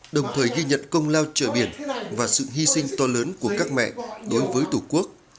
đồng thời ghi nhận công lao trợ biển và sự hy sinh to lớn của các mẹ đối với tổ quốc